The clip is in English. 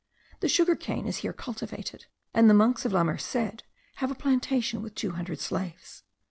The sugar cane is here cultivated, and the monks of La Merced have a plantation with two hundred slaves.